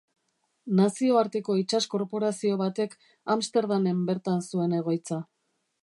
Nazioarteko itsas korporazio batek Amsterdamen bertan zuen egoitza.